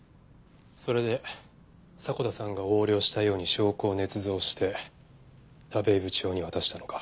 それで迫田さんが横領したように証拠を捏造して田部井部長に渡したのか？